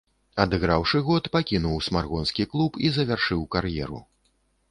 Адыграўшы год, пакінуў смаргонскі клуб і завяршыў кар'еру.